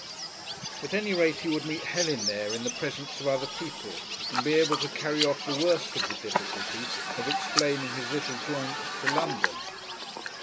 At any rate he would meet Helen there in the presence of other people and be able to carry off the worst of the difficulty of explaining his little jaunt to London.